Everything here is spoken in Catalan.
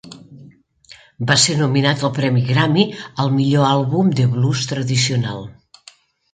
Va ser nominat al premi Grammy al Millor àlbum de blues tradicional.